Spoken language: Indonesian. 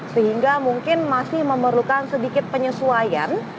sehingga mungkin masih memerlukan sedikit penyesuaian